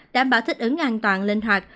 đảm bảo thích ứng an toàn linh hoạt